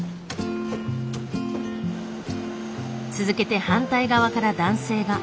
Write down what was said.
続けて反対側から男性が。